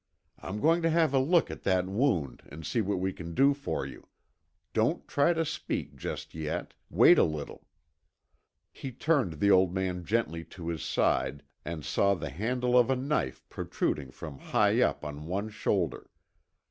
"I'm going to have a look at that wound and see what we can do for you. Don't try to speak just yet wait a little." He turned the old man gently to his side and saw the handle of a knife protruding from high up on one shoulder.